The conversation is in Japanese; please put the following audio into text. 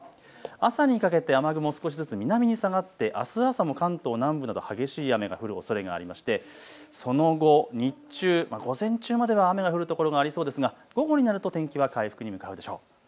朝にかけて雨雲、少しずつ南に下がってあす朝も関東南部など激しい雨が降るおそれがありましてその後、日中、午前中までは雨が降る所がありそうですが午後になると天気は回復に向かうでしょう。